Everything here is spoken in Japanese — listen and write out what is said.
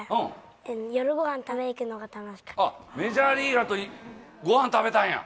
メジャーリーガーとご飯食べたんや。